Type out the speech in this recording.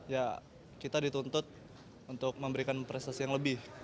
ya kita dituntut untuk memberikan prestasi yang lebih